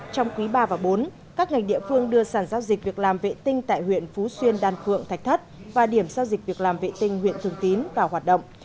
trong quý ba và bốn các ngành địa phương đưa sản giao dịch việc làm vệ tinh tại huyện phú xuyên đan phượng thạch thất và điểm giao dịch việc làm vệ tinh huyện thường tín vào hoạt động